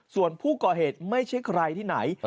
ส่วนผู้ก่อเหตุไม่ใช่ใครที่ไหน